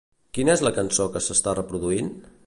Quina és la cançó que s'està reproduint?